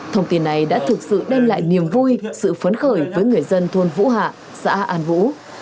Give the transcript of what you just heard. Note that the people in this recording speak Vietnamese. thông tin này đã thực sự đem lại niềm vui sự phấn khởi với người dân thôn vũ hạ xã an vũ